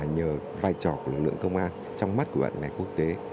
nhờ vai trò của lực lượng công an trong mắt của bạn bè quốc tế